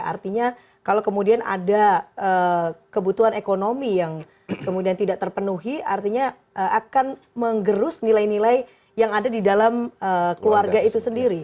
artinya kalau kemudian ada kebutuhan ekonomi yang kemudian tidak terpenuhi artinya akan menggerus nilai nilai yang ada di dalam keluarga itu sendiri